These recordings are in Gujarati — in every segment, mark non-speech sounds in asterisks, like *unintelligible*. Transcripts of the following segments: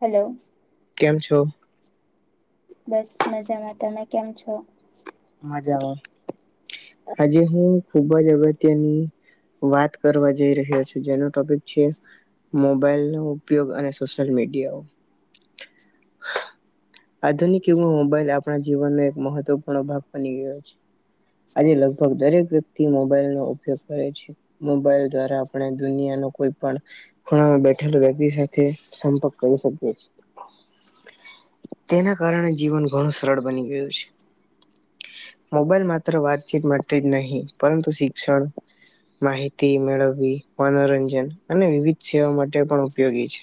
હાલો. કેમ છો? બસ મજામાં, તમે કેમ છો? મજામાં, આજે હું ખુબ જ અગત્યની વાત કરવા જઈ રહ્યો છું. જેનો ટોપિક છે મોબાઈલ નો ઉપયોગ અને સોશિયલ મીડિયા. હ આધુનિક યુગમાં મોબાઈલ આપણા જીવનનો એક મહત્વપૂર્ણ ભાગ બની ગયો છે. આજે લગભગ દરેક વ્યક્તિ મોબાઈલનો ઉપયોગ કરે છે. મોબાઈલ દ્વારા આપણે દુનિયાનો કોઈ પણ ખૂણામાં બેઠેલો વ્યક્તિ સાથે સંપર્ક કરી શકીએ છે. તેના કારણે જીવન ઘણું સરળ બની ગયું છે. મોબાઈલ માત્ર વાતચીત માટે જ નહીં પરંતુ શિક્ષણ, માહિતી મેળવી, મનોરંજન અને વિવિધ સેવા માટે પણ ઉપયોગી છે.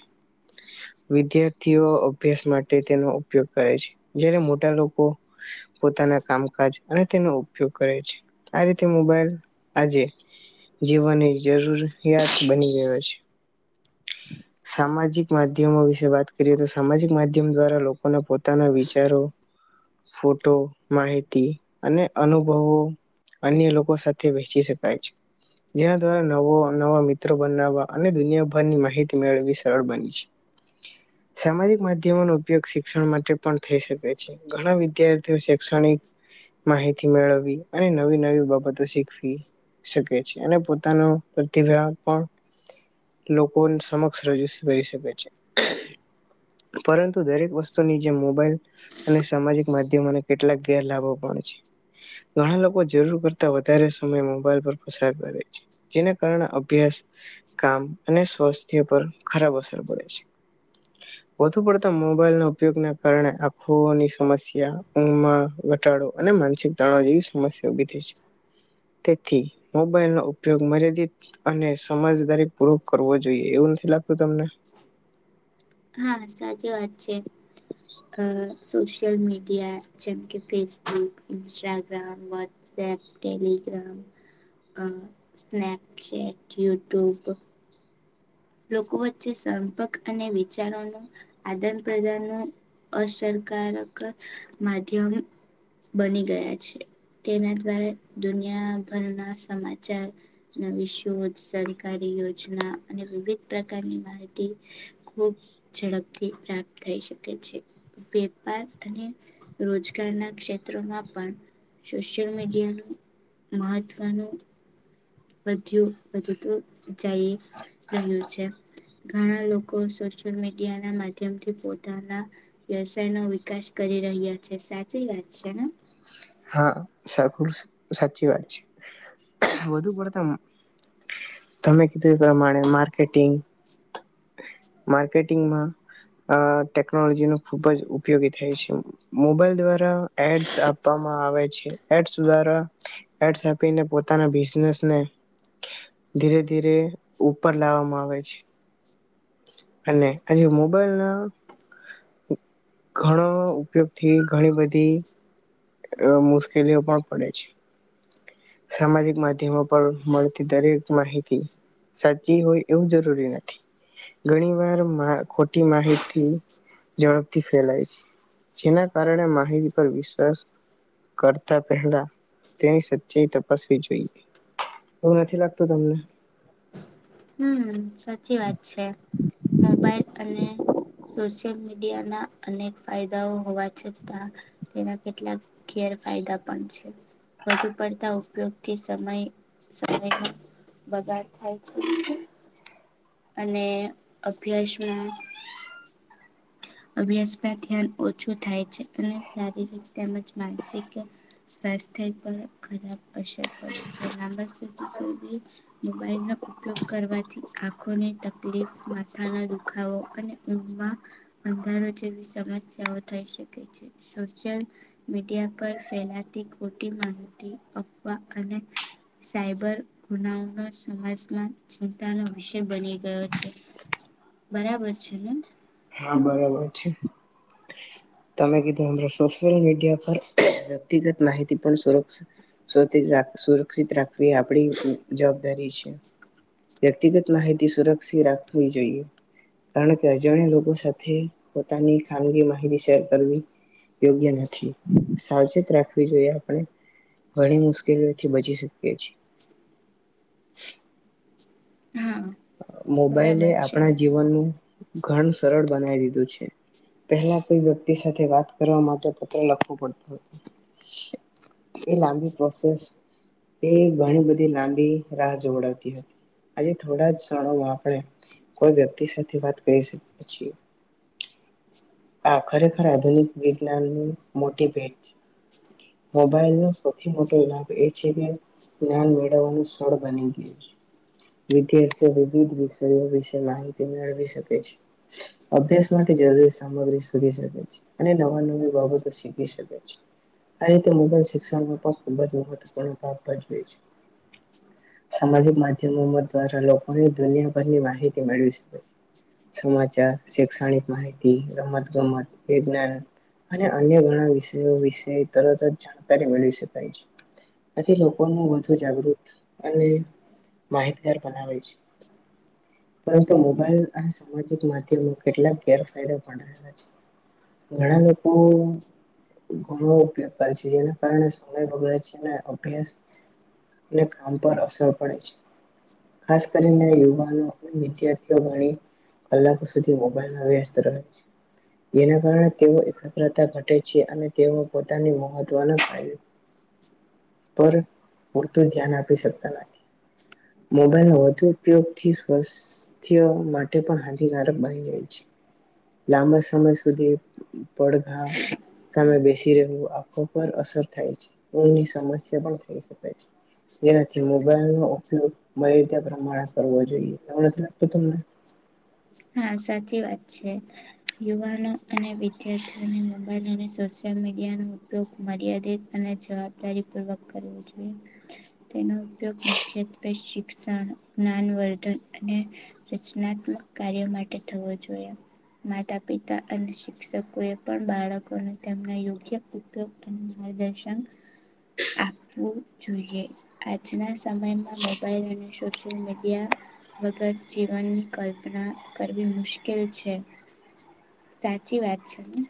વિદ્યાર્થીઓ અભ્યાસ માટે તેનો ઉપયોગ કરે છે. જય્યારે મોટા લોકો પોતાના કામકાજ અને તેનો ઉપયોગ કરે છે. આ રીતે મોબાઈલ આજે જીવનની જરૂરિયાત બની ગયો છે. સામાજિક માધ્યમો વિશે વાત કરીએ તો સામાજિક માધ્ યમ દ્વારા લોકોના પોતાના વિચારો, ફોટો, માહિતી અને અનુભવો અન્ય લોકો સાથે વચી શકાય છે. જેના દ્વારા નવ નવા મિત્રો બનાવવા અને દુનિયા ની માહિતી મેળવી સરળ બની છે. સામાજિક માધ્યમોનો ઉપયોગ શિક્ષણ માટે પણ થઈ શકે છે. ઘણા વિદ્યાર્થીઓ શૈક્ષણિક માહિતી મેળવી અને નવી નવી બાબતો શીખવી શકે છે અને પોતાનો પ્રતિભા પણ લોકો ન સમક્ષ રજૂ કરી શકે છે. પરંતુ દરેક વસ્તુની જેમ મોબાઈલ અને સામાજિક માધ્યમોને કેટલાક ગેરલાભો પણ છે. ઘણા લોકો જરૂર કરતા વધારે સમય મોબાઈલ પર પસાર કરે છે. જેના કારણે અભ્યાસ, કામ અને સ્વાસ્થ્ય પર ખરાબ અસર પડે છે. વધુ પડતા મોબાઈલ ના ઉપયોગના કારણે આંખોની સમસ્યા, ઉંઘ ઘટાડો અને માનસિક તણાવ જેવી સમસ્યા ઉભી થઈ છે. તેથી મોબાઈલનો ઉપયોગ મર્યાદિત અને સમજદારી પૂર્વક કરવો જોઈએ. એ હા સાચ ચી વાત છે. અ સોશિયલ મીડિયા જેમ કે ફેસબુક, ઇસ્ટાગ્રામ, વોટ્સએપ, ટેલીગ્રામ અ સ્નેપચેટ, યુટ્યુબ લોકો વચ્ચે સંપર્ક અને વિચારોનું આદાન પ્રદાનનું અસરકારક માધ્યમ બની ગયા છે. તેના દ્વારા દુનિયાભરના સમાચાર ના વિષયો, સરકારી યોજના અને વિવિધ પ્રકારની માહિતી ખૂબ ઝડપથી પ્રાપ્ત થઈ શકે છે. વેપાર અને રોજગારના ક્ષેત્રોમાં પણ સોશિયલ મીડિયાનું મહત્વનું વધ્યું વધતું જઈ રહ્યું છે. ઘણા લોકો સોશિયલ મીડિયાના માધ્યમથી પોતાના વ્યવસાય નો વિકાસ કરી રહ્યા છે. સાચી વાત છે ને? હા સાચું સાચી વાત છે. વધુ પડતા તમે કીધું એ પ્રમાણે માર્કેટિંગ માર્કેટિંગમાં અ ટેકનોલોજીનો ખુબ જ ઉપયોગી થાય છે. મોબાઈલ દ્વારા એડસ આ આપવામાં આવે છે. એડ્સ દ્વારા એડ્સ આપીને પોતાના બિઝનેસને ધીરે ધીરે ઉપર લાવવામાં આવે છે. અને આજે મોબાઈલના ઘણો ઉપયોગથી ઘણી બધી એ મુશ્કેલીઓ પણ પડે છે. સામાજિક માધ્યમો પર મળતી દરેક માહિતી સાચી હોય એવું જરૂરી નથી. ઘણી વાર ખોટી માહિતી ઝડપથી ફેલાય છે. જેના કારણે માહિતી પર વિશ્વાસ કરતા પહેલા તેની જે તપાસવી જોઈએ. એવું નથી લાગતું તમને હમ સાચી વાત છે. મોબાઈલ અને સોશિયલ મીડિયાના અનેક ફાયદાઓ હોવા છતાં તેના કેટલાક ગેરફાયદા પણ છે. વધુ પડતા ઉપયોગથી સમય સમયનો બગાડ થાય છે. અને અભ્યાસમાં અભ્યાસમાં ધ્યાન ઓછું થાય છે. અને શારીરિક તેમજ માનસિક સ્વાસ્થ્ય પર ખરાબ અસર પડે છે. લાંબા સુધી સુધી મોબાઈલનો ઉપયોગ કરવાથી આંખોની તકલીફ, માથાના દુખાવો, અને ઊંઘમાં અંધારો જેવી સમસ્યાઓ થઈ શકે છે. સોશિયલ મીડિયા પર ફેલાતી ખોટી માહિતી, અફવા અને સાયબર ગુનાઓના સમાજમાં ચિંતાનો વિષય બની ગયો છે. બરાબર છે ને? હા બરાબર છે. તમે કીધું એમ સોશિયલ મીડિયા પર વ્યક્તિગત માહિતી પણ સુરક્ષિત સુરતી સુરક્ષિત રાખવી આપણી જવાબદારી છે. વ્યક્તિગત માહિતી સુરક્ષિત રાખવી જોઈએ. કારણ કે અજાણ્યા લોકો કો સાથે પોતાની ખાનગી માહિતી શેર કરવી યોગ્ય નથી. સાવચેત રાખવી જોઈએ આપણે ઘણી મુશ્કેલીઓથી બચી શકીએ છીએ. મોબાઈલે બરાબર છે આપણા જીવનનું ઘણું સરળ બનાવી દીધું છે. પહેલા કોઈ વ્યક્તિ સાથે વાત કરવા માટે પત્ર લખવું પડતું હતું. એ લાંબી પ્રોસેસ એ ઘણી બધી લાંબી રાહ જોવડાવતી હતી. આજે થોડા જ આમ આપણે કોઈ વ્યક્તિ સાથે વાત કરી શકીએ છીએ. આ ખરેખર આધુનિક વિજ્ઞાનની મોટી ભેટ છે. મોબાઈલનો સૌથી મોટો લાભ એ છે કે જ્ઞાન મેળવવાનું સરળ બની ગયું છે. વિદ્યાર્થીઓ વિવિધ વિષયો વિશે માહિતી મેળવી શકે છે. અભ્યાસ માટે જરૂરી સામગ્રી શોધી શકે છે. અને નવા નવી બાબતો શીખી શકે છે. આ રીતે મોબાઈલ શિક્ષણમાં પણ ખૂબ જ મહત્વપૂર્ણ ભાગ ભજવે છે. સામાજિક માધ્યમો દ્વારા લોકોની દુનિયાભરની માહિતી મેળવી શકે છે. સમાચાર, શૈક્ષણિક માહિતી તી, રમત ગમ્મત, વિજ્ઞાન અને અન્ય ઘણા વિષયો વિશે તરત જ જાણકારી મેળવી શકાય છે. આથી લોકો વધુ જાગૃત અને માહિતગાર બનાવે છે. પરંતુ મોબાઈલ અને સામાજિક માધ્યમો કેટલાક ગેર ફાયદા પણ આવે છે. ઘણા લોકો ઘણો ઉપયોગ કરે છે જેના કારણે સમય બગડે છે ને અભ્યાસ ને કામ પર અસર પડે છે. ખાસ કરીને યુવાનો અને વિદ્યાર્થીઓ ઘણી કલાકો સુધી મોબાઈલ *unintelligible* છે. જેના કારણે તેઓ એકાગ્રતા ઘટે છે. અને તેઓ પોતાની મહત્વના કાર્યો પર પૂરતું ધ્યાન આપી શકતા નથી. મોબાઈલના વધુ ઉપયોગથી સ્વસ્થ્ય માટે પણ હાનિકારક બની જાય છે. લાંબા સમય સુધી પડઘા સામે બેસી રહેવું આંખો પર અસર થાય છે. ઊંઘની સમસ્યા પણ થઈ શકાય છે. જેનાથી મોબાઈલનો ઉપયોગ મર્યાદિત પ્રમાણે કરવો જોઈએ. એવું નથી લાગતું તમને? હા સાચી વાત છે. યુવાનો અને વિદ્યાર્થીઓને મોબાઈલ અને સોશિયલ મીડિયાનો ઉપયોગ મર્યાદિત અને જવાબદારી પૂર્વક કરવો જોઈએ. તેનો ઉપયોગ મુખ્યત્વે શિક્ષણ, જ્ઞાન વર્ધન અને રચનાત્મક કાર્ય માટે થવો જોઈએ. માતા પિતા અને શિક્ષકોએ પણ બાળકોને તેમના યોગ્ય ઉપયોગ અને માર્ગદર્શન આપવું જોઈએ. આજના સમયમાં મોબાઈલ અને સોશિયલ મીડિયા વગર જીવન કલ્પ ના કરવી મુશ્કેલ છે. સાચી વાત છે ને?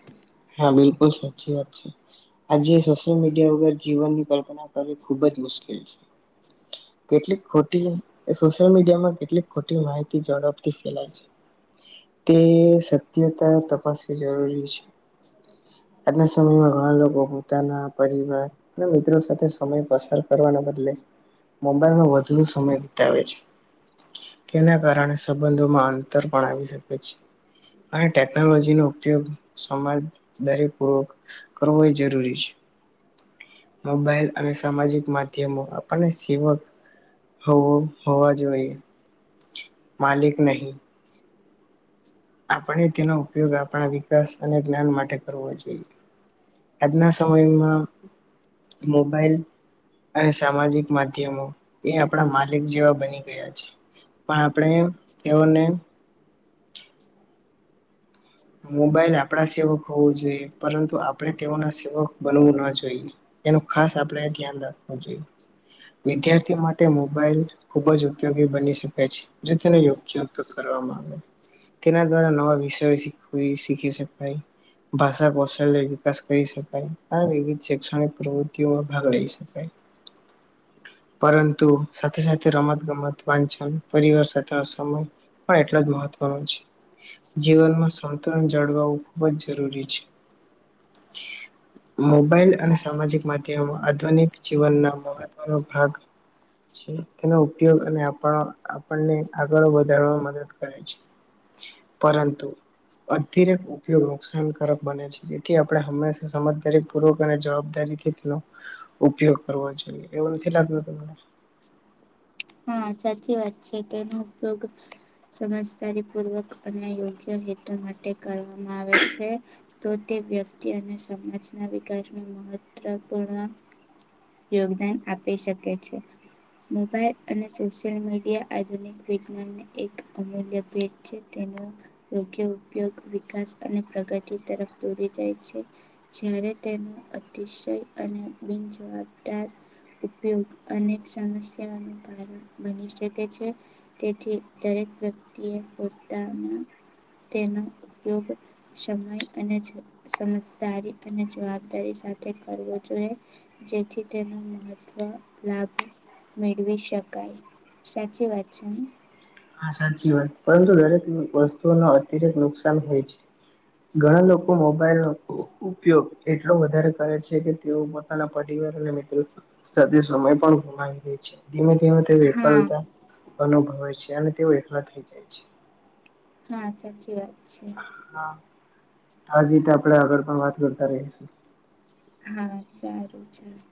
હા બિલકુલ સાચી વાત છે. આજે સોશિયલ મીડિયા વગર જીવનની કલ્પના કરવી ખુબ જ મુશ્કેલ છે. કેટલીક ખોટી સોશિયલ મીડિયામાં કેટલીક ખોટી માહિતી ઝડપથી ફેલાય છે. તે સત્યતા તપાસવી જરૂરી છે. આજના સમયમાં ઘણા લોકો પોતાના પરિવાર અને મિત્રો સાથે સમય પસાર કરવાના બદલે મોબાઇલમાં વધુ સમય વિતાવે છે. તેના કારણે સંબંધોમાં અંતર પણ આવી શકે છે. અને ટેકનોલોજીનો ઉપયોગ સમજદારી પૂર્વક કરવો એ જરૂરી છે. મોબાઈલ અને સામાજિક માધ્યમો આપણને તેમજ હોવ હોવા જોઈએ. માલિક નહીં. આપણે તેનો ઉપયોગ આપણા વિકાસ અને જ્ઞાન માટે કરવો જોઈએ. આજના સમયમાં મોબાઈલ અને સામાજિક માધ્યમો એ આપણા માલિક જેવા બની ગયા છે. પણ આપણે તેઓને મોબાઈલ આપણા સેવક હોવું જોઈએ. પરંતુ આપણે તેઓના સેવક બનવું ન જોઈએ. તેનું ખાસ આપણે ધ્યાન રાખવું જોઈએ. વિદ્યાર્થી માટે મોબાઈલ ખુબ જ ઉપયોગી બની શકે છે. જો તેનો યોગ્ય ઉપયોગ કરવામાં આવે. તેના દ્વારા નવા વિષયો શીખ તો એ શીખી શકાય, ભાષાકૌશલ્ય વિકાસ કરી શકાય, આ વિવિધ શૈક્ષણિક પ્રવૃતિઓમાં ભાગ લઈ શકાય. પરંતુ સાથે સાથે રમત ગમત, વાંચન, પરિવાર સાથે સમય પણ એટલો જ મહત્વનો છે. જીવનમાં સમ વર્તન જળવાવું ખૂબ જ જરૂરી છે. મોબાઈલ અને સામાજિક માધ્યમો આધુનિક જીવનના મહત્વનો ભાગ છે. તેનો ઉપયોગ અને આપણને આગળ વધારવામાં મદદ કરે છે. પરંતુ અતિરેક ઉપયોગ નુકસાનકારક બને છે. જેથી આપણે હંમેશા સમજદારી પૂર્વક અને જવાબદારીથી તેનો ઉપયોગ કરવો જોઈએ. એવું નથી લાગતું તમને? હહ સાચી વાત છે. તેનો ઉપયોગ સમજદારી પૂર્વક અને યોગ્ય હેતુ માટે કરવામાં આવે છે. તો તે વ્યક્તિ અને સમાજના વિકાસનું મહત્વપૂર્ણ યોગદાન આપી શકે છે. મોબાઈલ અને સોશિયલ મીડિયા આધુનિક વિજ્ઞાનને એક અમૂલ્ય ભેટ છે. તેનો યોગ્ય ઉપયોગ વિકાસ અને પ્રગતિ તરફ દોરી જાય છે. જ્યારે તેનો અતિશય અને બિનજવાબદાર ઉપયોગ અનેક સમસ્યાનો *unintelligible* બની શકે છે. તેથી દરેક વ્યક્તિએ પોતાના તેનો ઉપયોગ, સમય અને સમજદારી અને જવાબદારી સાથે કરવો જોઈએ. જેથી તેનો મહત્વ લાભ મેળવી શકે શકાય. સાચી વાત છે ને? હા સાચી વાત પરંતુ દરેક બસ્ સ્તુનો અતિરેક નુકસાન હોય છે. ઘણા લોકો મોબાઈલનો ઉપયોગ એટલો વધારે કરે છે કે તેઓ પોતાના પરિવાર અને મિત્રો સાથે સમય પણ ગુમાવી દે છે. ધીમે ધીમે તેઓ હા એકલતા અનુભવે છે. *inaudible* તેવ એકલા થઈ જાય છે હા સાચી વાત છે હા આજ રીતે આપણે આગળ પણ વાત કરતા રહીશું હા સારુ તો ચસ.